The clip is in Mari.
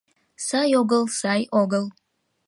Сай огыл, сай огыл.